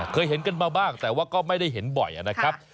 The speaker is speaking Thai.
เคยเห็นกันมาบ้างแต่ว่าก็ไม่ได้เห็นบ่อยนะครับ